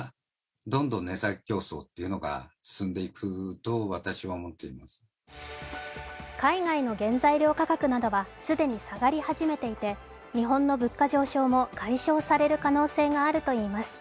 今後の見通しについて専門家は海外の原材料価格などは既に下がり始めていて日本の物価上昇も解消される可能性があるといいます。